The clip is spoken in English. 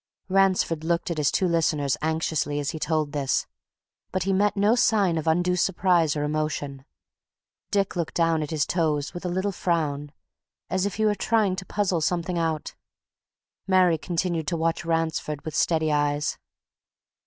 Ransford looked at his two listeners anxiously as he told this. But he met no sign of undue surprise or emotion. Dick looked down at his toes with a little frown, as if he were trying to puzzle something out; Mary continued to watch Ransford with steady eyes.